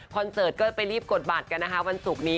เสิร์ตก็ไปรีบกดบัตรกันนะคะวันศุกร์นี้